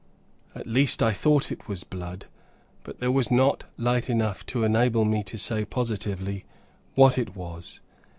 At least, I thought it was blood, but there was not light enough to enable me to say positively what it was.